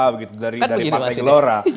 dari partai gelora